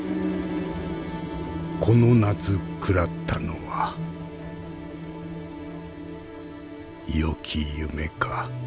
この夏食らったのは良き夢か